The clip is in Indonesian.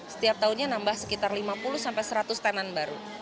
setiap tahunnya nambah sekitar lima puluh sampai seratus tenan baru